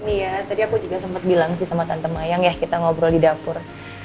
iya tadi aku juga sempat bilang sih sama tante mayang ya kita ngobrol di dapur